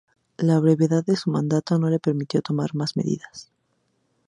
La brevedad de su mandato no le permitió tomar más medidas.